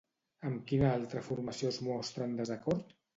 Amb quina altra formació es mostra en desacord?